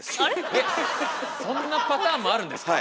えっそんなパターンもあるんですか？